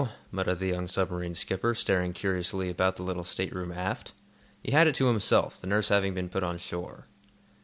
muttered the young submarine skipper, staring curiously about the little stateroom aft. He had it to himself, the nurse having been put on shore.